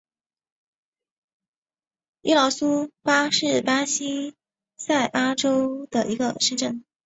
伊劳苏巴是巴西塞阿拉州的一个市镇。